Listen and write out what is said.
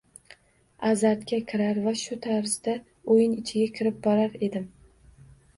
Azartga kirar va shu tarzda oʻyin ichiga kirib borar edim